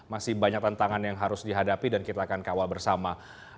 masih banyak tantangan yang harus dihadapi dan kita akan kawal bersama